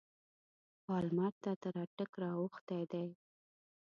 پالمر تر اټک را اوښتی دی.